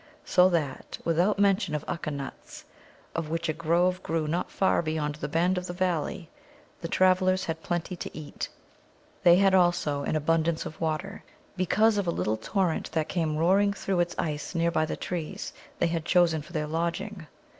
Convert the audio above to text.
So that, without mention of Ukka nuts, of which a grove grew not far beyond the bend of the valley, the travellers had plenty to eat. They had also an abundance of water, because of a little torrent that came roaring through its ice near by the trees they had chosen for their lodging.